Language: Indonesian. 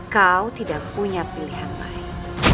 kau tidak punya pilihan lain